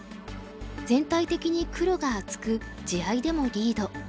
全体的に黒が厚く地合いでもリード。